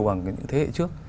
bằng những thế hệ trước